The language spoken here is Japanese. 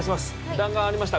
弾丸ありました